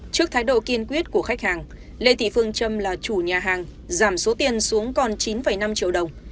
trước thái độ kiên quyết của khách hàng lê thị phương trâm là chủ nhà hàng giảm số tiền xuống còn chín năm triệu đồng